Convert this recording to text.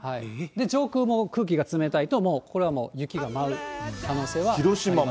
上空の空気が冷たいと、もう雪が舞う可能性はありますね。